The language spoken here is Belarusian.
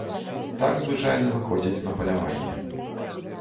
Так звычайна выходзяць на паляванне.